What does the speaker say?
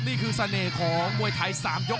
นี่คือเสน่ห์ของมวยไทย๓ยก